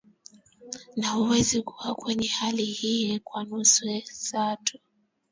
Na huweza kuwa kwenye hali hii kwa nusu saa tu